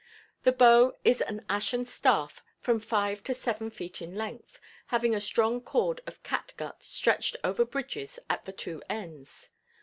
The bow is an ashen staff from five to seven feet in length, having a strong cord of catgut stretched over bridges at the two ends.